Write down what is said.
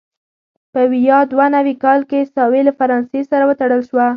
په ویا دوه نوي کال کې ساوې له فرانسې سره وتړل شوه.